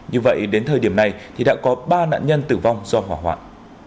như vậy đến thời điểm này thì đã có ba nạn nhân tử vong do hỏa hoạn